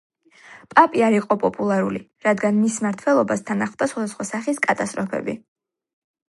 პაპი არ იყო პოპულარული, რადგან მისი მმართველობის თან ახლდა სხვადასხვა სახის კატასტროფები.